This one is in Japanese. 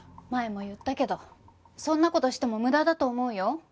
前も言ったけどそんな事しても無駄だと思うよ。